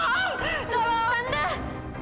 aduh gusti aduh ya allah